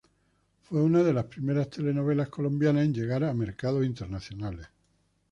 Fue una de las primeras telenovelas colombianas en llegar a mercados internacionales.